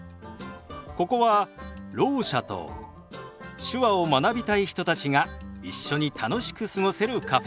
ここはろう者と手話を学びたい人たちが一緒に楽しく過ごせるカフェ。